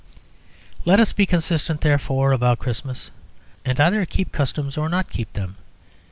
Let us be consistent, therefore, about Christmas, and either keep customs or not keep them.